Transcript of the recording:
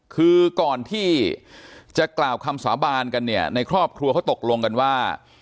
คือก่อนที่จะกล่าวคำสาบานกันเนี่ยในครอบครัวเขาตกลงกันว่า